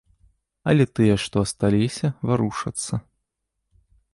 Але тыя, што асталіся, варушацца.